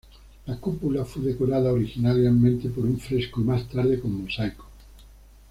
La cúpula fue decorada originalmente con un fresco, y más tarde con mosaico.